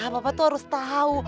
papa tuh harus tau